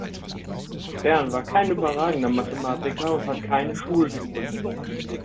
Stern war kein überragender Mathematiker und hat keine Schule gegründet.